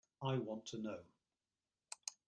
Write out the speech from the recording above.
I want to know.